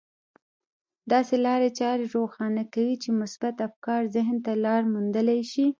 داسې لارې چارې روښانه کوي چې مثبت افکار ذهن ته لاره موندلای شي.